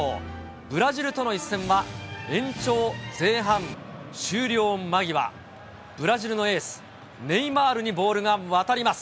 ブラジルとの一戦は、延長前半終了間際、ブラジルのエース、ネイマールにボールが渡ります。